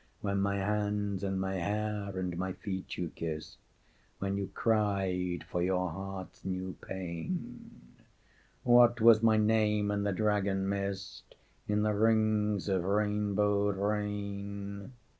When my hands and my hair and my feet you kissed, When you cried for your heart's new pain, What was my name in the dragon mist, In the rings of rainbowed rain?"